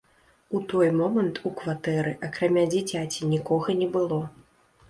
У той момант у кватэры, акрамя дзіцяці, нікога не было.